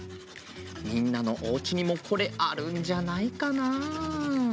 みんなのおうちにもこれあるんじゃないかな。